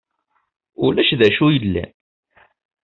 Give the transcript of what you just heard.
Ulac d acu yellan.